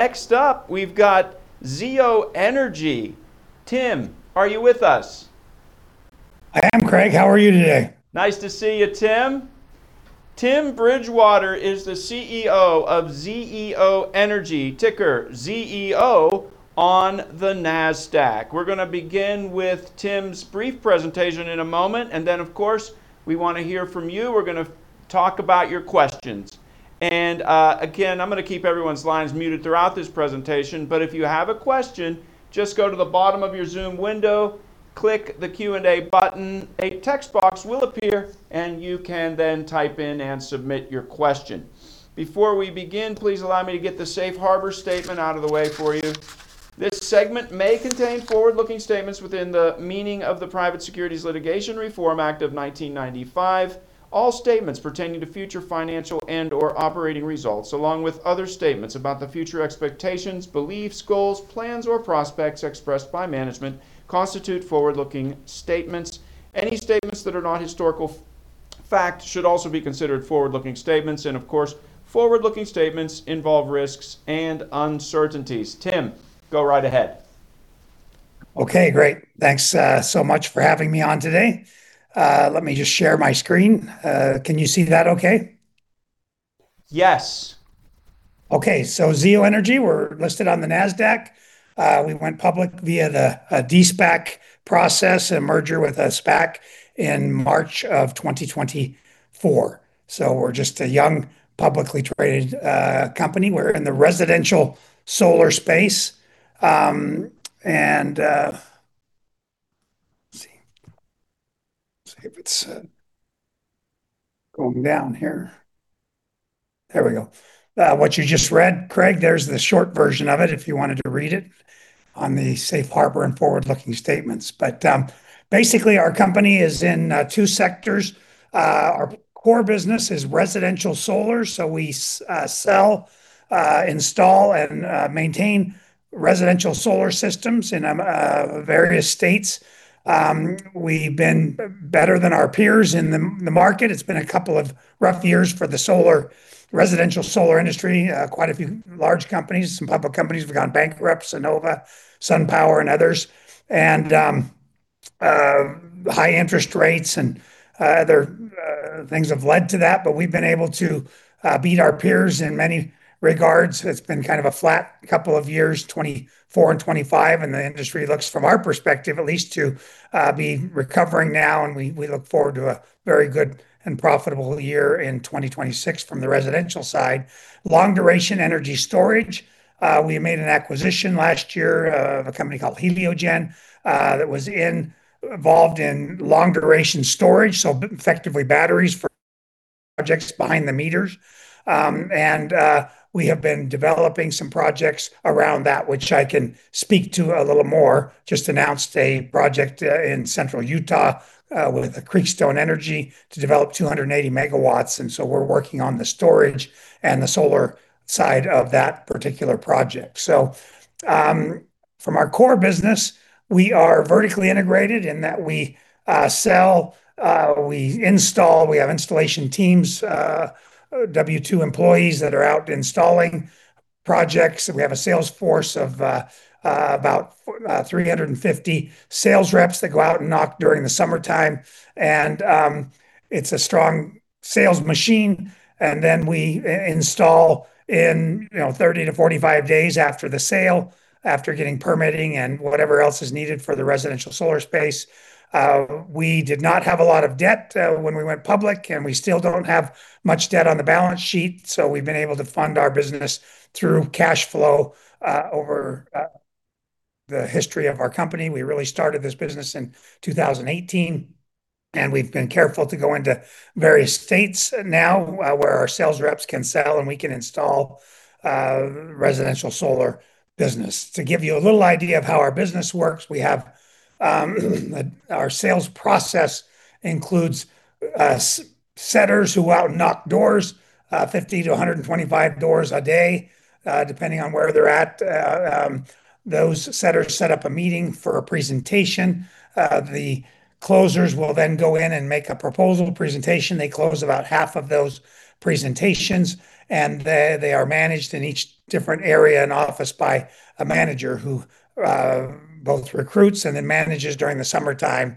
Next up, we've got Zeo Energy. Tim, are you with us? I am Craig. How are you today? Nice to see you, Tim. Tim Bridgewater is the CEO of Zeo Energy, ticker Zeo on the Nasdaq. We're gonna begin with Tim's brief presentation in a moment, and then of course, we wanna hear from you. We're gonna talk about your questions. Again, I'm gonna keep everyone's lines muted throughout this presentation. If you have a question, just go to the bottom of your Zoom window, click the Q&A button. A text box will appear, and you can then type in and submit your question. Before we begin, please allow me to get the safe harbor statement out of the way for you. This segment may contain forward-looking statements within the meaning of the Private Securities Litigation Reform Act of 1995. All statements pertaining to future financial and/or operating results, along with other statements about the future expectations, beliefs, goals, plans, or prospects expressed by management, constitute forward-looking statements. Any statements that are not historical fact should also be considered forward-looking statements. Of course, forward-looking statements involve risks and uncertainties. Tim, go right ahead. Okay, great. Thanks, so much for having me on today. Let me just share my screen. Can you see that okay? Yes. Okay. Zeo Energy, we're listed on the Nasdaq. We went public via a De-SPAC process, a merger with a SPAC in March of 2024. We're just a young, publicly traded company. We're in the residential solar space, and. See if it's going down here. There we go. What you just read, Craig, there's the short version of it if you wanted to read it on the safe harbor and forward-looking statements. Basically, our company is in two sectors. Our core business is residential solar. We sell, install, and maintain residential solar systems in various states. We've been better than our peers in the market. It's been a couple of rough years for the solar, residential solar industry. Quite a few large companies, some public companies have gone bankrupt, Sunnova, SunPower, and others. High interest rates and other things have led to that. We've been able to beat our peers in many regards. It's been kind of a flat couple of years, 2024 and 2025. The industry looks, from our perspective at least, to be recovering now. We look forward to a very good and profitable year in 2026 from the residential side. Long-duration energy storage, we made an acquisition last year of a company called Heliogen, that was involved in long-duration storage, so effectively batteries for projects behind the meters. We have been developing some projects around that, which I can speak to a little more. Just announced a project in central Utah with Creekstone Energy to develop 280 MW. We're working on the storage and the solar side of that particular project. From our core business, we are vertically integrated in that we sell, we install, we have installation teams, W-2 employees that are out installing projects. We have a sales force of about 350 sales reps that go out and knock during the summertime. It's a strong sales machine. We install in, you know, 30-45 days after the sale, after getting permitting and whatever else is needed for the residential solar space. We did not have a lot of debt when we went public, and we still don't have much debt on the balance sheet. We've been able to fund our business through cash flow over the history of our company. We really started this business in 2018, and we've been careful to go into various states now where our sales reps can sell, and we can install residential solar business. To give you a little idea of how our business works, we have our sales process includes setters who go out and knock doors 50-125 doors a day depending on where they're at. Those setters set up a meeting for a presentation. The closers will then go in and make a proposal presentation. They close about half of those presentations. They are managed in each different area and office by a manager who both recruits and then manages during the summertime.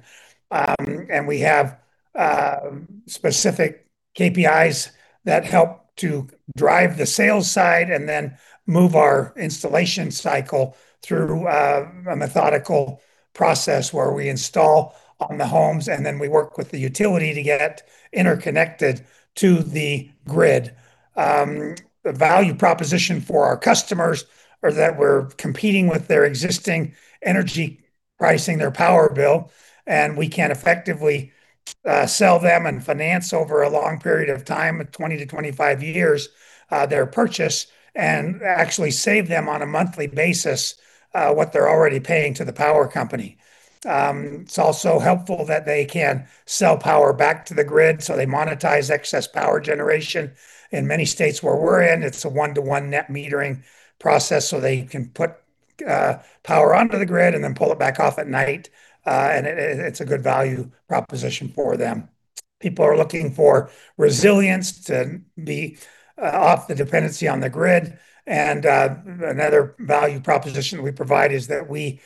We have specific KPIs that help to drive the sales side and then move our installation cycle through a methodical process where we install on the homes, and then we work with the utility to get interconnected to the grid. The value proposition for our customers are that we're competing with their existing energy pricing, their power bill, and we can effectively sell them and finance over a long period of time, 20-25 years, their purchase and actually save them on a monthly basis what they're already paying to the power company. It's also helpful that they can sell power back to the grid, so they monetize excess power generation. In many states where we're in, it's a one-to-one net metering process, so they can put power onto the grid and then pull it back off at night. It's a good value proposition for them. People are looking for resilience to be off the dependency on the grid. Another value proposition we provide is that we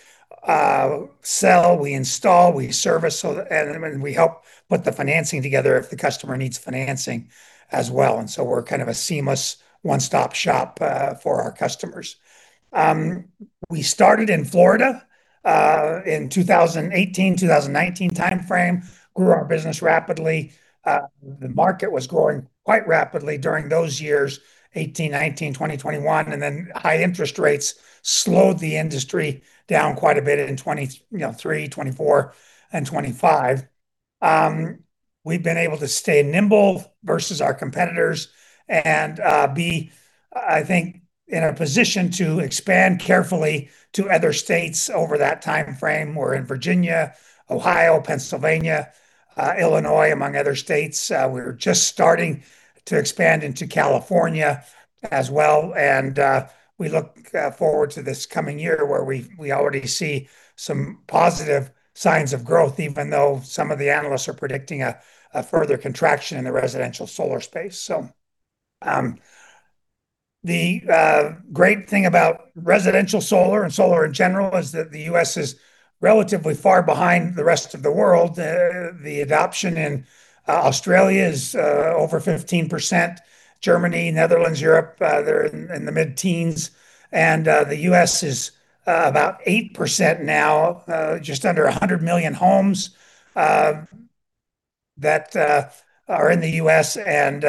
sell, we install, we service, and we help put the financing together if the customer needs financing as well. We're kind of a seamless one-stop shop for our customers. We started in Florida in 2018, 2019 timeframe, grew our business rapidly. The market was growing quite rapidly during those years, 18, 19, 2021. Then high interest rates slowed the industry down quite a bit in 2023, you know, 2024, and 2025. We've been able to stay nimble versus our competitors and be, I think, in a position to expand carefully to other states over that timeframe. We're in Virginia, Ohio, Pennsylvania, Illinois, among other states. We're just starting to expand into California as well. We look forward to this coming year where we already see some positive signs of growth, even though some of the analysts are predicting a further contraction in the residential solar space. The great thing about residential solar and solar in general is that the U.S. is relatively far behind the rest of the world. The adoption in Australia is over 15%. Germany, Netherlands, Europe, they're in the mid-teens. The U.S. is about 8% now. Just under 100 million homes that are in the U.S. and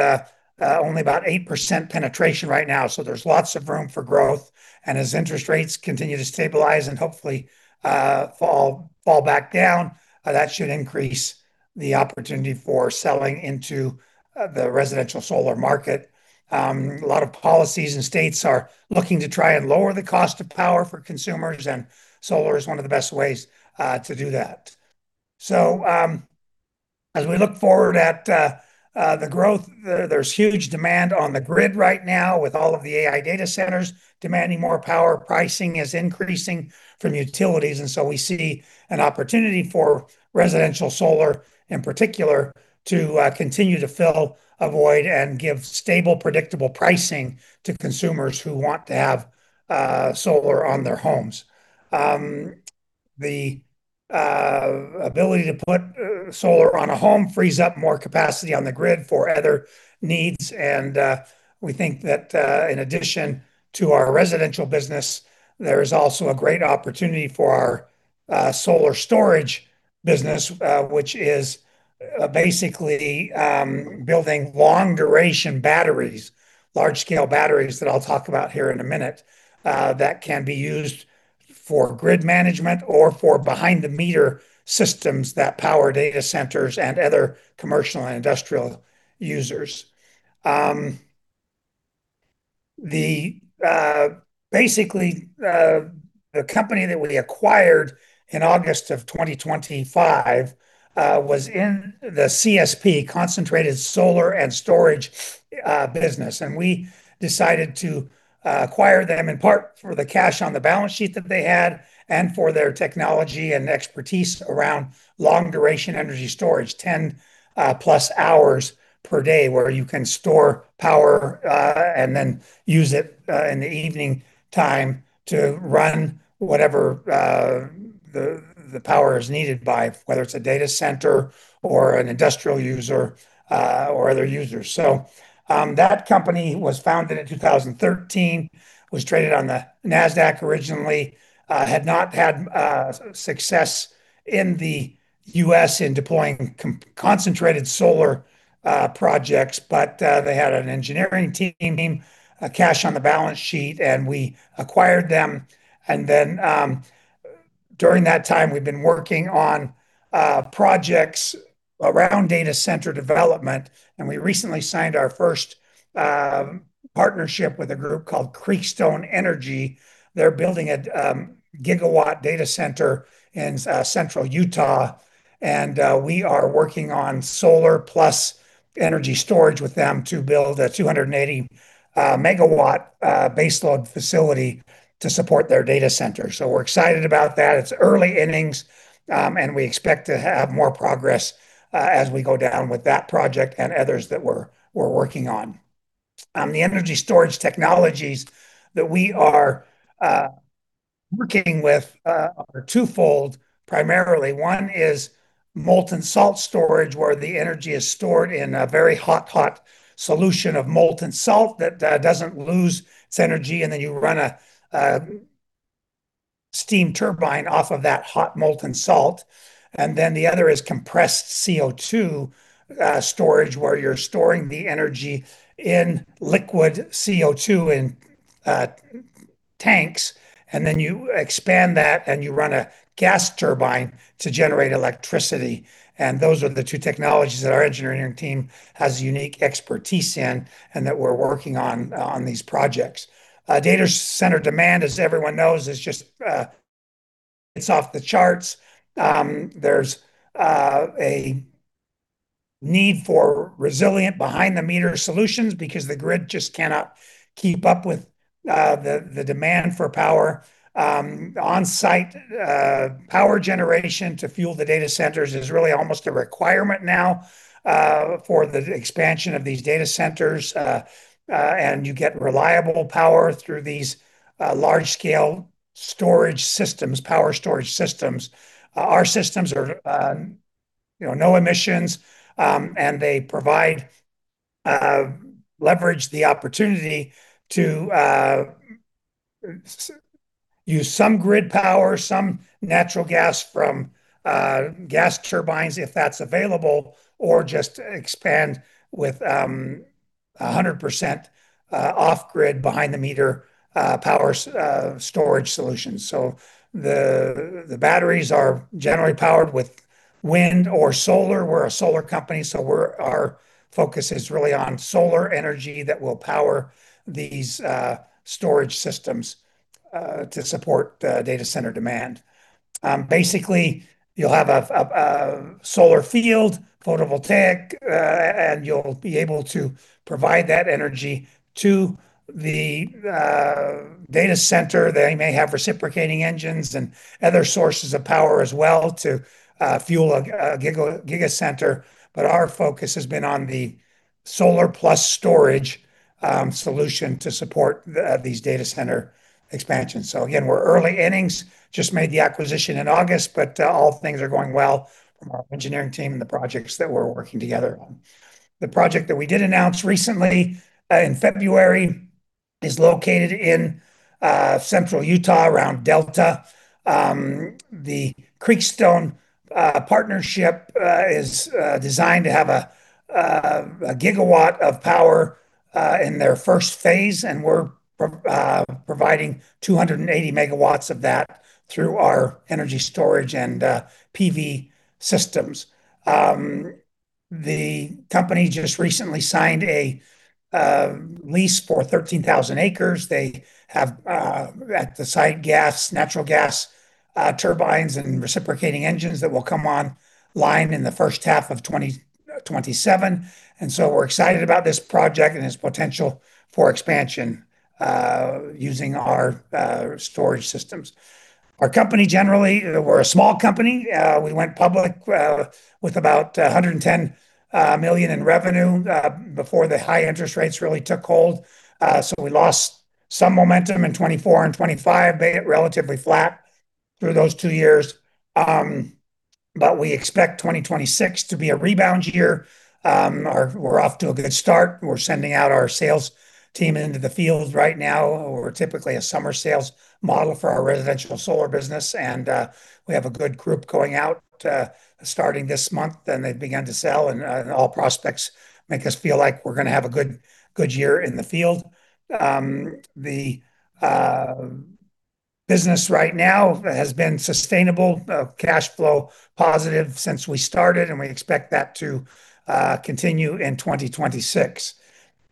only about 8% penetration right now. There's lots of room for growth. As interest rates continue to stabilize and hopefully fall back down, that should increase the opportunity for selling into the residential solar market. A lot of policies and states are looking to try and lower the cost of power for consumers, and solar is one of the best ways to do that. As we look forward at the growth, there's huge demand on the grid right now with all of the AI data centers demanding more power. Pricing is increasing from utilities, and so we see an opportunity for residential solar in particular to continue to fill a void and give stable, predictable pricing to consumers who want to have solar on their homes. The ability to put solar on a home frees up more capacity on the grid for other needs. We think that in addition to our residential business, there is also a great opportunity for our solar storage business, which is basically building long-duration batteries, large-scale batteries that I'll talk about here in a minute, that can be used for grid management or for behind-the-meter systems that power data centers and other commercial and industrial users. Basically, the company that we acquired in August of 2025 was in the CSP, concentrated solar and storage, business. We decided to acquire them in part for the cash on the balance sheet that they had and for their technology and expertise around long-duration energy storage, 10+ hours per day, where you can store power and then use it in the evening time to run whatever the power is needed by, whether it's a data center or an industrial user or other users. That company was founded in 2013, was traded on the Nasdaq originally. Had not had success in the U.S. in deploying concentrated solar projects, but they had an engineering team, cash on the balance sheet, and we acquired them. During that time, we've been working on projects around data center development, and we recently signed our first partnership with a group called Creekstone Energy. They're building a 1-GW data center in central Utah, and we are working on solar plus energy storage with them to build a 280-MW baseload facility to support their data center. We're excited about that. It's early innings, and we expect to have more progress as we go down with that project and others that we're working on. The energy storage technologies that we are working with are twofold, primarily. One is molten salt storage, where the energy is stored in a very hot solution of molten salt that doesn't lose its energy. You run a steam turbine off of that hot molten salt. The other is compressed CO2 storage, where you're storing the energy in liquid CO2 in tanks, and then you expand that, and you run a gas turbine to generate electricity. Those are the two technologies that our engineering team has unique expertise in and that we're working on these projects. Data center demand, as everyone knows, is just, it's off the charts. There's a need for resilient behind-the-meter solutions because the grid just cannot keep up with the demand for power. On-site power generation to fuel the data centers is really almost a requirement now for the expansion of these data centers. You get reliable power through these large-scale storage systems, power storage systems. Our systems are, you know, no emissions, and they provide leverage the opportunity to use some grid power, some natural gas from gas turbines, if that's available, or just expand with 100% off-grid behind-the-meter power storage solutions. The batteries are generally powered with wind or solar. We're a solar company, so our focus is really on solar energy that will power these storage systems to support data center demand. Basically you'll have a solar field, photovoltaic, and you'll be able to provide that energy to the data center. They may have reciprocating engines and other sources of power as well to fuel a gigacenter. Our focus has been on the solar plus storage solution to support these data center expansions. Again, we're early innings, just made the acquisition in August, but all things are going well from our engineering team and the projects that we're working together on. The project that we did announce recently in February is located in central Utah around Delta. The Creekstone partnership is designed to have 1 gigawatt of power in their first phase, and we're providing 280 megawatts of that through our energy storage and PV systems. The company just recently signed a lease for 13,000 acres. They have at the site natural gas turbines and reciprocating engines that will come online in the first half of 2027. We're excited about this project and its potential for expansion using our storage systems. Our company generally, we're a small company. We went public with about $110 million in revenue before the high interest rates really took hold. We lost some momentum in 2024 and 2025, being relatively flat through those two years. We expect 2026 to be a rebound year. We're off to a good start. We're sending out our sales team into the field right now. We're typically a summer sales model for our residential solar business, and we have a good group going out starting this month, and they've begun to sell and all prospects make us feel like we're gonna have a good year in the field. The business right now has been sustainable cash flow positive since we started, and we expect that to continue in 2026.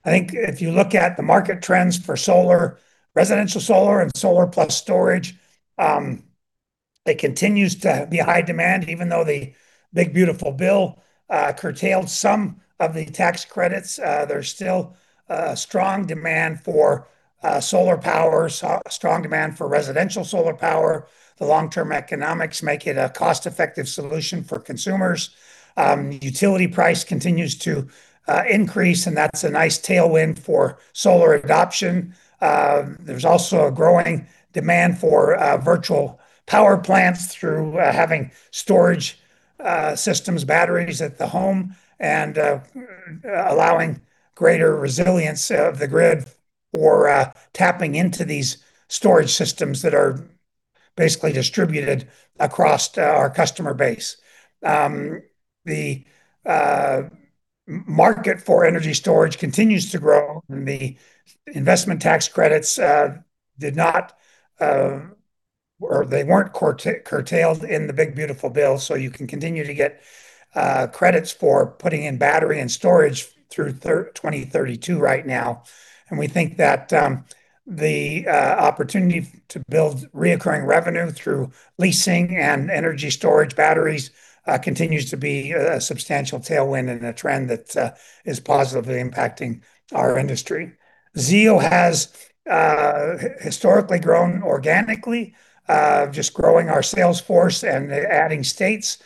I think if you look at the market trends for solar, residential solar, and solar plus storage, it continues to be high demand. Even though the Big Beautiful Bill curtailed some of the tax credits, there's still a strong demand for solar power, strong demand for residential solar power. The long-term economics make it a cost-effective solution for consumers. Utility price continues to increase, and that's a nice tailwind for solar adoption. There's also a growing demand for virtual power plants through having storage systems, batteries at the home and allowing greater resilience of the grid or tapping into these storage systems that are basically distributed across our customer base. The market for energy storage continues to grow, and the investment tax credits did not or they weren't curtailed in the big beautiful bill, so you can continue to get credits for putting in battery and storage through 2032 right now. We think that the opportunity to build recurring revenue through leasing and energy storage batteries continues to be a substantial tailwind and a trend that is positively impacting our industry. Zeo has historically grown organically, just growing our sales force and adding states.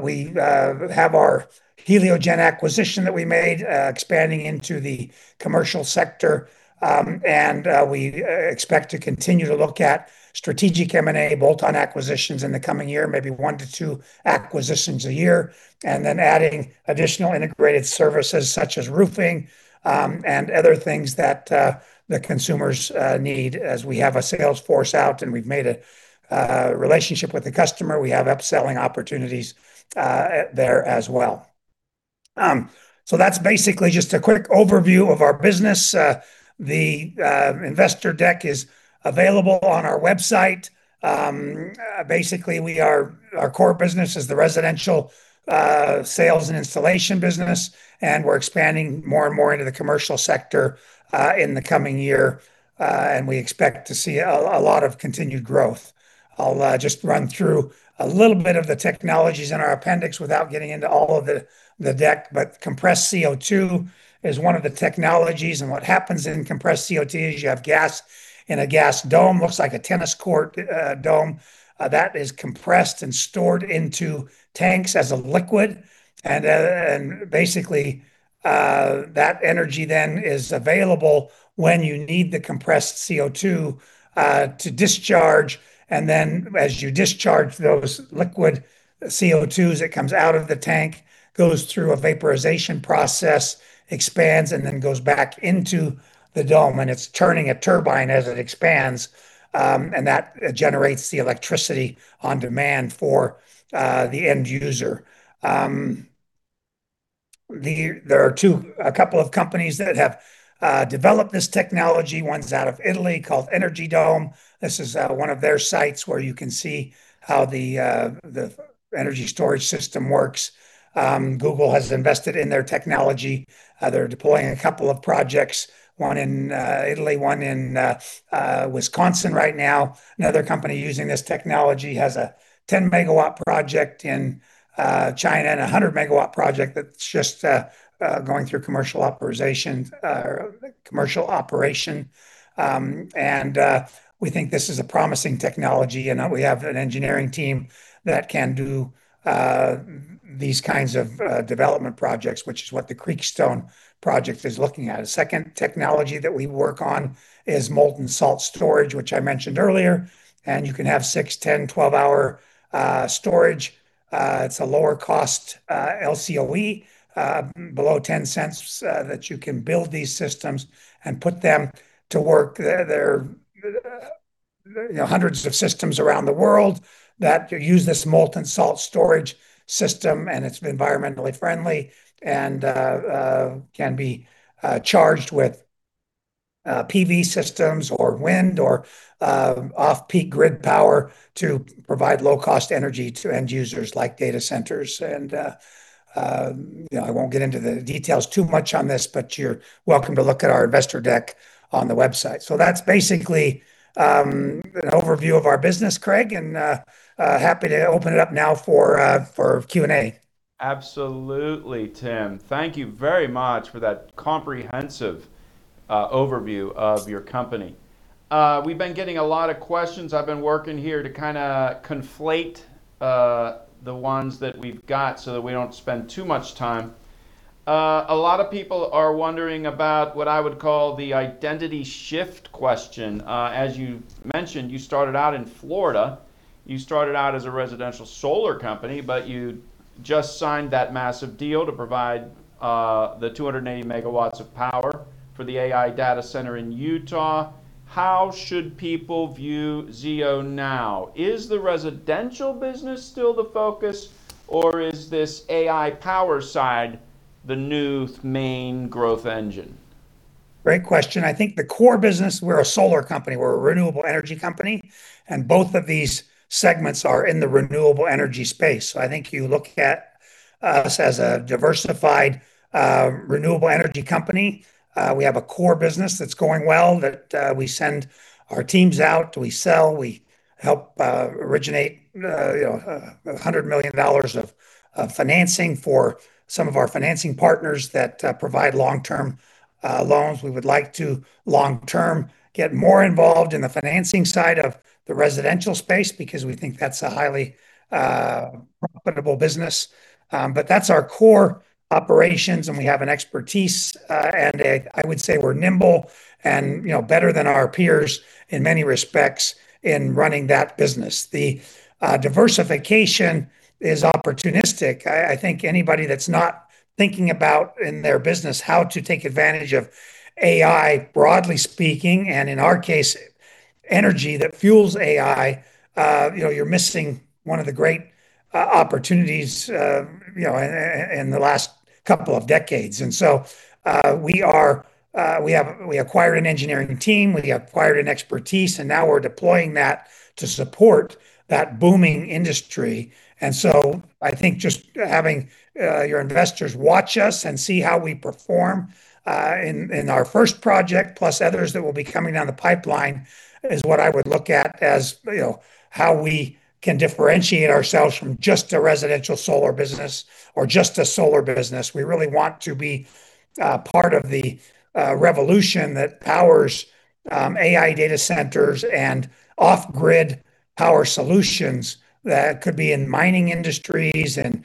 We have our Heliogen acquisition that we made, expanding into the commercial sector. We expect to continue to look at strategic M&A bolt-on acquisitions in the coming year, maybe 1-2 acquisitions a year, and then adding additional integrated services such as roofing, and other things that the consumers need. As we have a sales force out and we've made a relationship with the customer, we have upselling opportunities there as well. That's basically just a quick overview of our business. The investor deck is available on our website. Our core business is the residential sales and installation business, and we're expanding more and more into the commercial sector in the coming year, and we expect to see a lot of continued growth. I'll just run through a little bit of the technologies in our appendix without getting into all of the deck, but compressed CO2 is one of the technologies. What happens in compressed CO2 is you have gas in a gas dome that looks like a tennis court dome that is compressed and stored into tanks as a liquid. Basically, that energy then is available when you need the compressed CO2 to discharge and then as you discharge those liquid CO2 as it comes out of the tank, goes through a vaporization process, expands, and then goes back into the dome, and it's turning a turbine as it expands, and that generates the electricity on demand for the end user. A couple of companies that have developed this technology. One's out of Italy called Energy Dome. This is one of their sites where you can see how the energy storage system works. Google has invested in their technology. They're deploying a couple of projects, one in Italy, one in Wisconsin right now. Another company using this technology has a 10-MW project in China and a 100-MW project that's just going through commercial authorization, commercial operation. We think this is a promising technology, and we have an engineering team that can do these kinds of development projects, which is what the Creekstone project is looking at. A second technology that we work on is molten salt storage, which I mentioned earlier, and you can have 6, 10, 12-hour storage. It's a lower cost LCOE below $0.10 that you can build these systems and put them to work. There are, you know, hundreds of systems around the world that use this molten salt storage system, and it's environmentally friendly and can be charged with PV systems or wind or off-peak grid power to provide low-cost energy to end users like data centers. You know, I won't get into the details too much on this, but you're welcome to look at our investor deck on the website. That's basically an overview of our business, Craig, and happy to open it up now for Q&A. Absolutely, Tim. Thank you very much for that comprehensive overview of your company. We've been getting a lot of questions. I've been working here to kinda conflate the ones that we've got so that we don't spend too much time. A lot of people are wondering about what I would call the identity shift question. As you mentioned, you started out in Florida. You started out as a residential solar company, but you just signed that massive deal to provide the 280 MW of power for the AI data center in Utah. How should people view Zeo now? Is the residential business still the focus, or is this AI power side the new main growth engine? Great question. I think the core business, we're a solar company. We're a renewable energy company, and both of these segments are in the renewable energy space. I think you look at us as a diversified renewable energy company. We have a core business that's going well, that we send our teams out, we sell, we help originate, you know, $100 million of financing for some of our financing partners that provide long-term loans. We would like to long-term get more involved in the financing side of the residential space because we think that's a highly profitable business. That's our core operations, and we have an expertise, and I would say we're nimble and, you know, better than our peers in many respects in running that business. The diversification is opportunistic. I think anybody that's not thinking about in their business how to take advantage of AI, broadly speaking, and in our case, energy that fuels AI, you know, you're missing one of the great opportunities in the last couple of decades. We acquired an engineering team, we acquired an expertise, and now we're deploying that to support that booming industry. I think just having your investors watch us and see how we perform in our first project, plus others that will be coming down the pipeline, is what I would look at as, you know, how we can differentiate ourselves from just a residential solar business or just a solar business. We really want to be part of the revolution that powers AI data centers and off-grid power solutions that could be in mining industries and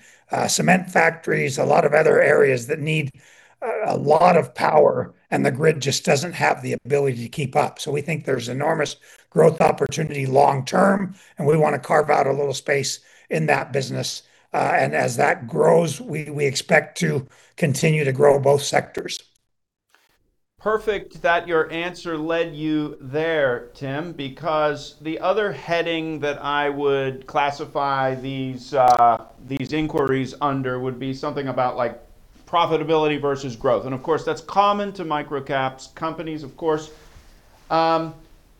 cement factories, a lot of other areas that need a lot of power, and the grid just doesn't have the ability to keep up. We think there's enormous growth opportunity long term, and we wanna carve out a little space in that business. As that grows, we expect to continue to grow both sectors. Perfect that your answer led you there, Tim, because the other heading that I would classify these inquiries under would be something about, like, profitability versus growth, and of course, that's common to micro-cap companies, of course.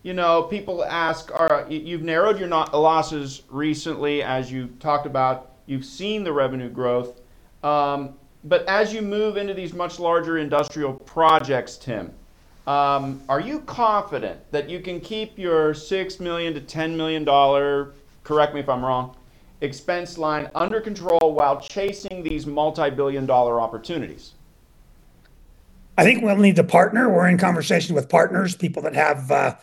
You know, people ask you've narrowed your losses recently, as you've talked about. You've seen the revenue growth. But as you move into these much larger industrial projects, Tim, are you confident that you can keep your $6 million-$10 million, correct me if I'm wrong, expense line under control while chasing these multi-billion dollar opportunities? I think we'll need to partner. We're in conversation with partners, people that have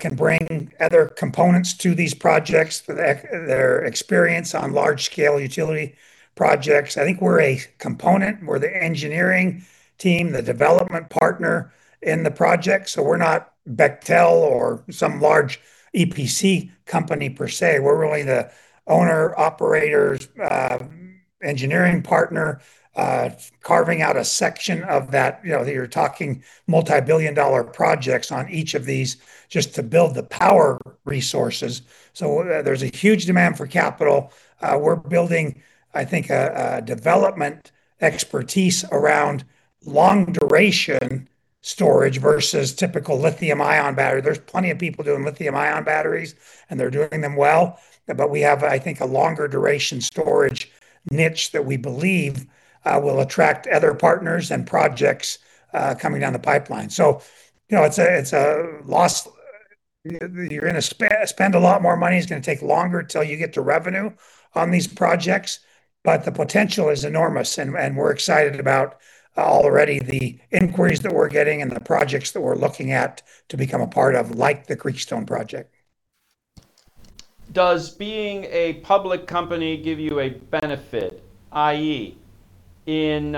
can bring other components to these projects, their experience on large scale utility projects. I think we're a component. We're the engineering team, the development partner in the project, so we're not Bechtel or some large EPC company per se. We're really the owner operator's engineering partner, carving out a section of that. You know, you're talking multi-billion dollar projects on each of these just to build the power resources. There's a huge demand for capital. We're building, I think, a development expertise around long duration storage versus typical lithium-ion battery. There's plenty of people doing lithium-ion batteries, and they're doing them well. We have, I think, a longer duration storage niche that we believe will attract other partners and projects coming down the pipeline. You know, it's a loss. You're gonna spend a lot more money. It's gonna take longer till you get to revenue on these projects, but the potential is enormous, and we're excited about already the inquiries that we're getting and the projects that we're looking at to become a part of, like the Creekstone project. Does being a public company give you a benefit, i.e. in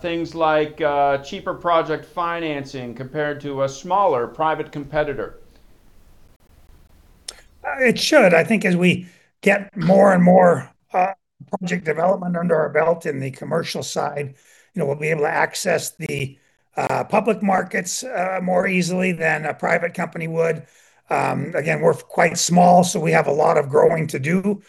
things like cheaper project financing compared to a smaller private competitor? It should. I think as we get more and more project development under our belt in the commercial side, you know, we'll be able to access the public markets more easily than a private company would. Again, we're quite small, so we have a lot of growing to do.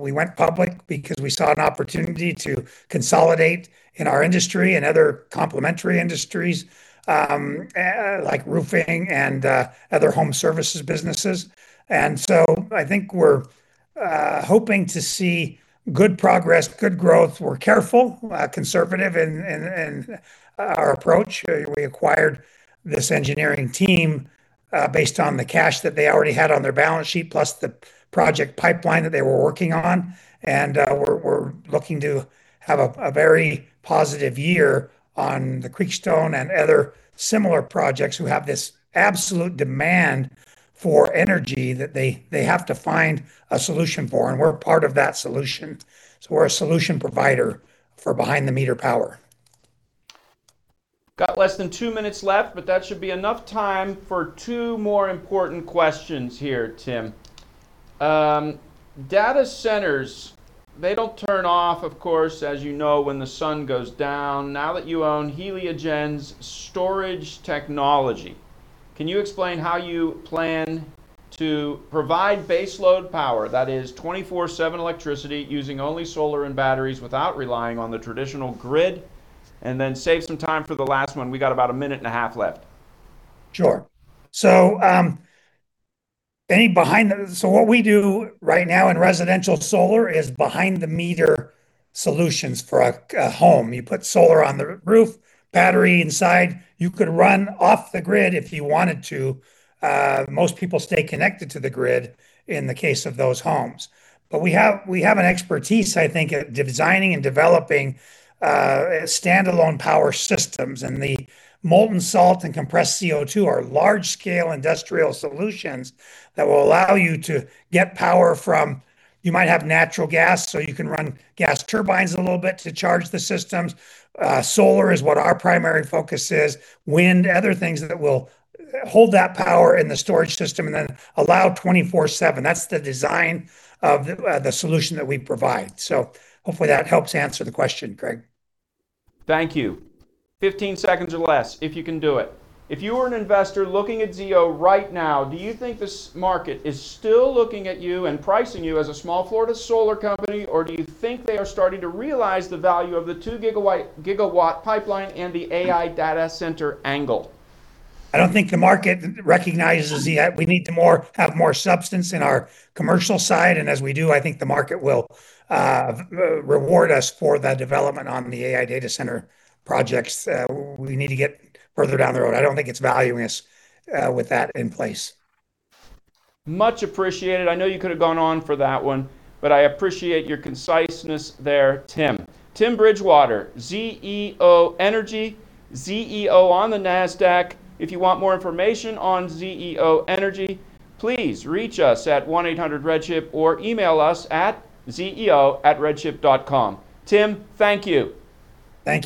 We went public because we saw an opportunity to consolidate in our industry and other complementary industries, like roofing and other home services businesses. I think we're hoping to see good progress, good growth. We're careful, conservative in our approach. We acquired this engineering team based on the cash that they already had on their balance sheet, plus the project pipeline that they were working on. We're looking to have a very positive year on the Creekstone and other similar projects who have this absolute demand for energy that they have to find a solution for, and we're a part of that solution. We're a solution provider for behind-the-meter power. Got less than two minutes left, but that should be enough time for two more important questions here, Tim. Data centers, they don't turn off, of course, as you know, when the sun goes down. Now that you own Heliogen's storage technology, can you explain how you plan to provide baseload power, that is 24/7 electricity using only solar and batteries without relying on the traditional grid? Then save some time for the last one. We got about a minute and a half left. Sure. What we do right now in residential solar is behind-the-meter solutions for a home. You put solar on the roof, battery inside. You could run off the grid if you wanted to. Most people stay connected to the grid in the case of those homes. We have an expertise, I think, at designing and developing standalone power systems, and the molten salt and compressed CO2 are large-scale industrial solutions that will allow you to get power from. You might have natural gas, so you can run gas turbines a little bit to charge the systems. Solar is what our primary focus is. Wind, other things that will hold that power in the storage system and then allow 24/7. That's the design of the solution that we provide. Hopefully that helps answer the question, Craig. Thank you. 15 seconds or less if you can do it. If you were an investor looking at Zeo right now, do you think this market is still looking at you and pricing you as a small Florida solar company, or do you think they are starting to realize the value of the 2 gigawatt pipeline and the AI data center angle? I don't think the market recognizes yet. We need to have more substance in our commercial side, and as we do, I think the market will reward us for the development on the AI data center projects. We need to get further down the road. I don't think it's valuing us with that in place. Much appreciated. I know you could have gone on for that one, but I appreciate your conciseness there, Tim. Tim Bridgewater, Zeo Energy, Zeo on the Nasdaq. If you want more information on Zeo Energy, please reach us at 1-800-RedChip or email us at zeo@redchip.com. Tim, thank you.